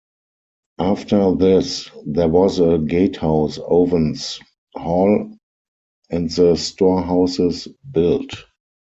After this there was a gatehouse, ovens, hall and the storehouses built.